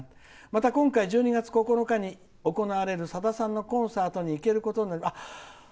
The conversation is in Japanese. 「また今回１２月９日に行われるさださんのコンサートに行けることになりました」